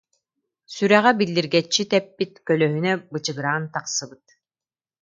Сүрэҕэ биллиргэччи тэппит, көлөһүнэ бычыгыраан тахсыбыт